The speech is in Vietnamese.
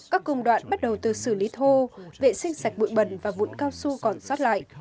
các công đoạn bắt đầu từ xử lý thô vệ sinh sạch bụi bẩn và vụn cao su còn xót lại